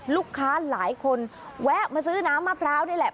ลูกค้าหลายคนแวะมาซื้อน้ำมะพร้าวนี่แหละ